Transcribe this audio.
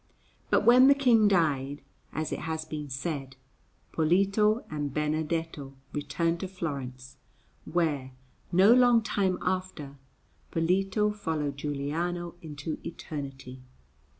But when the King died, as it has been said, Polito and Benedetto returned to Florence; where, no long time after, Polito followed Giuliano into eternity.